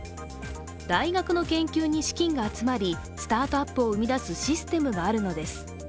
大学の研究に資金が集まり、スタートアップを生み出すシステムがあるのです。